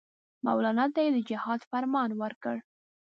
مولنا ته یې د جهاد فرمان ورکړ.